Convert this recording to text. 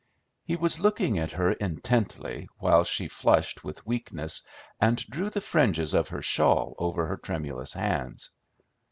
He was looking at her intently, while she flushed with weakness, and drew the fringes of her shawl over her tremulous hands.